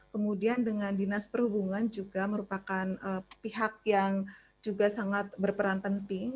kemudian dengan dinas perhubungan juga merupakan pihak yang juga sangat berperan penting